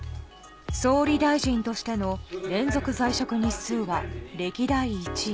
総理大臣としての連続在職日数は歴代１位。